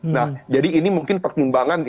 nah jadi ini mungkin pertimbangan